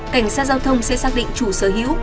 cảnh sát giao thông sẽ xác định chủ sở hữu